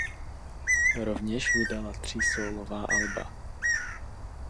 Rovněž vydala tři sólová alba.